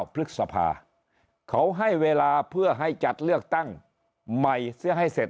พฤษภาเขาให้เวลาเพื่อให้จัดเลือกตั้งใหม่ซื้อให้เสร็จ